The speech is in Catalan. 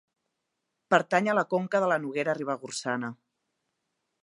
Pertany a la conca de la Noguera Ribagorçana.